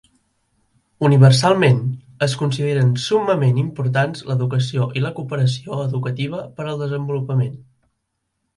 Universalment, es consideren summament importants l'educació i la cooperació educativa per al desenvolupament